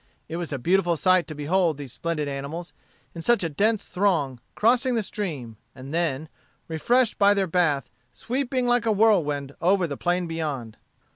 It was a beautiful sight to behold these splendid animals, in such a dense throng, crossing the stream, and then, refreshed by their bath, sweeping like a whirlwind over the plain beyond.